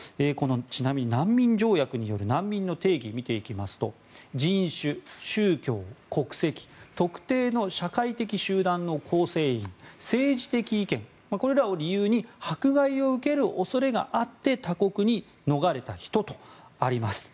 ちなみに、難民条約による難民の定義を見ていきますと人種、宗教、国籍特定の社会的集団の構成員政治的意見これらを理由に迫害を受ける恐れがあって他国に逃れた人とあります。